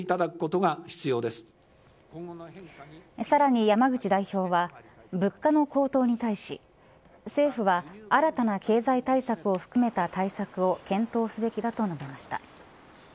さらに山口代表は物価の高騰に対し政府は新たな経済対策を含めた対策を検討すべきだと述べました。